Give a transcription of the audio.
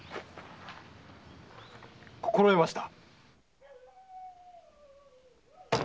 心得ました。